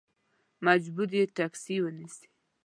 مجبور یې ټیکسي ونیسې.